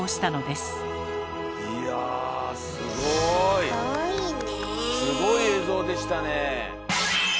すごい映像でしたね。